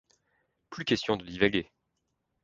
Plus question de divaguer.